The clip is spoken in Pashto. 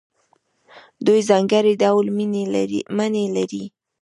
دوی ځانګړي ډول مڼې لري.